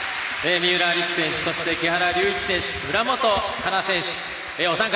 三浦璃来選手、木原龍一選手村元哉中選手、お三方